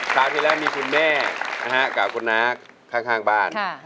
คราวที่แรกมีคุณแม่กับคุณนักข้างบ้าน